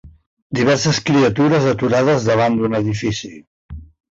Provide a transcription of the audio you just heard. Diverses criatures aturades davant d'un edifici.